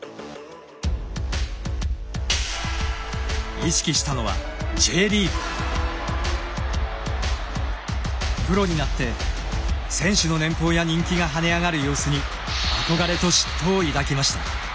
意識したのはプロになって選手の年俸や人気がはね上がる様子に憧れと嫉妬を抱きました。